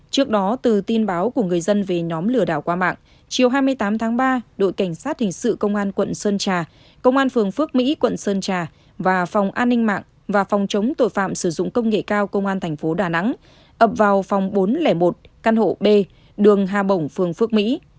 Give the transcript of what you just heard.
trước đó từ tin báo của người dân về nhóm lừa đảo qua mạng chiều hai mươi tám tháng ba đội cảnh sát hình sự công an quận sơn trà công an phường phước mỹ quận sơn trà và phòng an ninh mạng và phòng chống tội phạm sử dụng công nghệ cao công an tp đà nẵng ập vào phòng bốn trăm linh một căn hộ b đường hà bổng phường phước mỹ